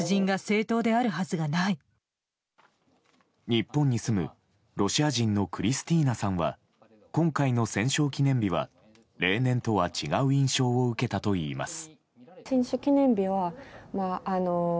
日本に住むロシア人のクリスティーナさんは今回の戦勝記念日は例年とは違う印象を受けたといいます。